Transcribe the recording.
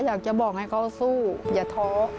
อยากจะบอกให้เขาสู้อย่าท้อ